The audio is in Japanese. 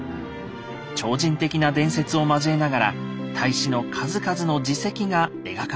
超人的な伝説を交えながら太子の数々の事績が描かれています。